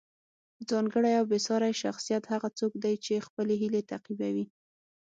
ځانګړی او بې ساری شخصیت هغه څوک دی چې خپلې هیلې تعقیبوي.